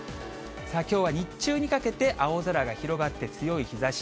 きょうは日中にかけて青空が広がって、強い日ざし。